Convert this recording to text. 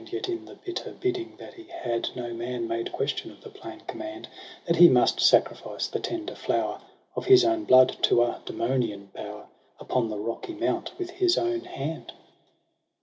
Yet in the bitter bidding that he had No man made question of the plain command, That he must sacrifice the tender flower Of his own blood to a demonian power, Upon the rocky mount with his own hand.